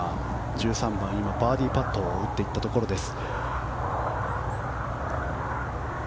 １３番、バーディーパットを打ったところです。